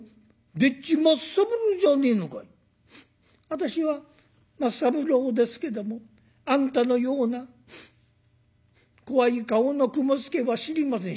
「私は松三郎ですけどもあんたのような怖い顔の雲助は知りません」。